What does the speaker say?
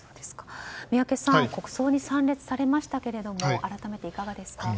宮家さん国葬に参列されましたけれども改めていかがですか？